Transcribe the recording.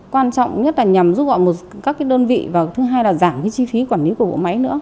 quan trọng nhất là nhằm giúp gọi một các đơn vị và thứ hai là giảm cái chi phí quản lý của bộ máy nữa